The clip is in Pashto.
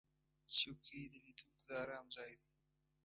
چوکۍ د لیدونکو د آرام ځای دی.